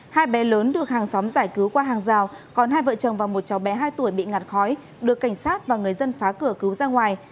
hai bé lớn được hàng xóm giải cứu qua hàng rào còn hai vợ chồng và một cháu bé hai tuổi bị ngạt khói được cảnh sát và người dân phá cửa cứu ra ngoài